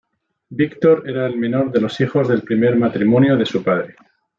Víktor era el menor de los hijos del primer matrimonio de su padre.